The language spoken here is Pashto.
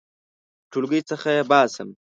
• له ټولګي څخه یې باسم.